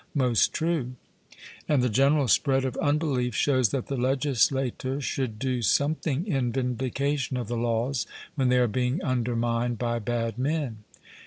Most true. And the general spread of unbelief shows that the legislator should do something in vindication of the laws, when they are being undermined by bad men.